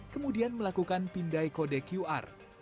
kemudian melakukan pindai kode qr